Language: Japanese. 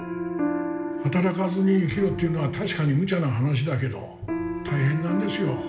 働かずに生きろっていうのは確かにむちゃな話だけど大変なんですよ